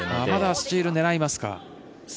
まだスチール狙いますか。